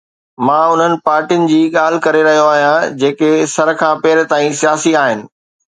مان انهن پارٽين جي ڳالهه ڪري رهيو آهيان جيڪي سر کان پير تائين سياسي آهن.